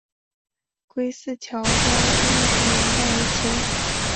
归驷桥的历史年代为清。